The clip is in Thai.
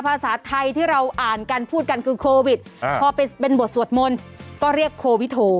ภาษาไทยที่เราอ่านกันพูดกันคือโควิดพอเป็นบทสวดมนต์ก็เรียกโควิโถ